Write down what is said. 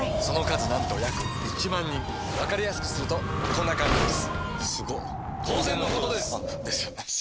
その数なんと約１万人わかりやすくするとこんな感じすごっ！